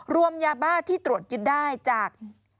รวมยาบ้าที่ตรวจยึดได้จาก